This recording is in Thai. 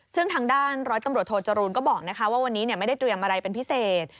ซึ่งทางด้านร้อยตำรวจโทจรูนก็บอกว่าวันนี้ไม่ได้เตรียมอะไรเป็นพิเศษ